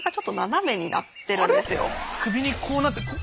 首にこうなって。